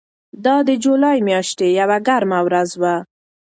دا د جولای میاشتې یوه ګرمه ورځ وه.